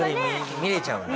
見れちゃうんだ。